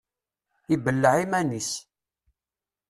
Ibelleɛ iman-is.